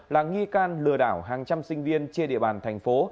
là nghi can lừa đảo hàng trăm sinh viên trên địa bàn thành phố